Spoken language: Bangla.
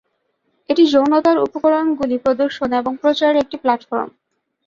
এটি যৌনতার উপকরণগুলি প্রদর্শন এবং প্রচারের একটি প্লাটফর্ম।